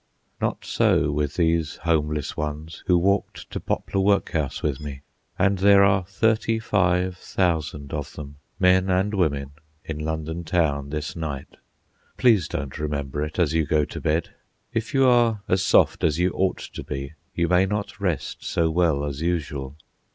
Not so with these homeless ones who walked to Poplar Workhouse with me. And there are thirty five thousand of them, men and women, in London Town this night. Please don't remember it as you go to bed; if you are as soft as you ought to be you may not rest so well as usual.